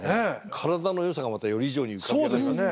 体の良さがまたより浮かび上がりますね。